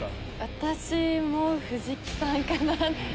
私も藤木さんかな。